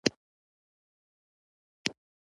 د موسیقۍ اورېدل ذهني فشار کموي.